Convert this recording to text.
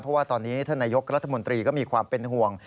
เพราะว่าตอนนี้ท่านนายกรัฐมนตรีก็มีความเป็นห่วง